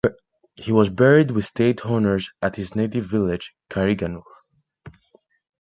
He was buried with State honours at his native village, Kariganur.